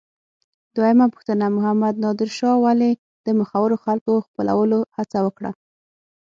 دویمه پوښتنه: محمد نادر شاه ولې د مخورو خلکو خپلولو هڅه وکړه؟